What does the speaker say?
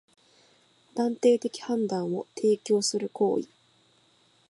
断定的判断を提供する行為